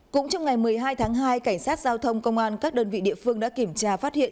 cũng trong ngày một mươi hai tháng hai cảnh sát giao thông công an các đơn vị địa phương đã kiểm tra phát hiện